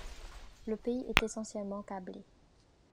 Le pays est essentiellement cablé.